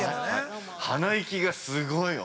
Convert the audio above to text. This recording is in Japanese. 鼻息がすごいよ。